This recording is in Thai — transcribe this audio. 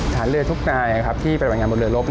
ฐานเรือทุกนายที่ไปไปงานบนเรือรบ